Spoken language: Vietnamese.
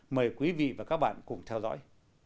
mời quý vị và các bạn cùng theo dõi